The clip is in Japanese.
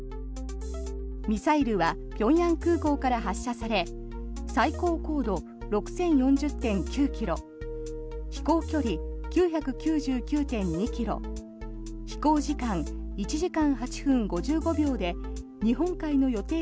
ミサイルは平壌空港から発射され最高高度６０４０．９ｋｍ飛行距離９９９．２ｋｍ飛行時間１時間８分５５秒で日本海の予定